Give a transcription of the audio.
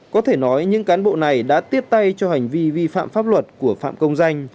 có thể nói những cán bộ này đã tiếp tay cho hành vi vi phạm pháp luật của phạm công danh